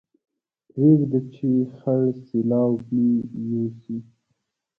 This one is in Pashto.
پرېږده چې خړ سېلاو مې يوسي